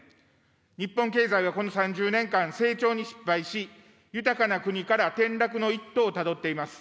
日本経済はこの３０年間、成長に失敗し、豊かな国から転落の一途をたどっています。